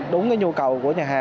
đúng nhu cầu